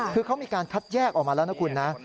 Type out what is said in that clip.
คือเขามีการคัดแยกออกมาแล้วนะคุณนะ